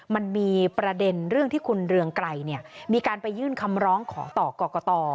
มันมีประเด็นเรื่องที่คุณเรืองไกรมีการไปยื่นคำร้องขอต่อกรกต